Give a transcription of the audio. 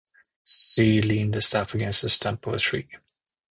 She leaned the staff against the stump of a tree.